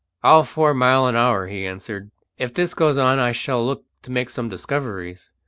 "All four mile an hour," he answered. "If this goes on I shall look to make some discoveries.